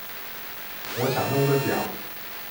我想弄个奖